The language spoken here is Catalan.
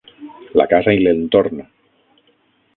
La casa i l'entorn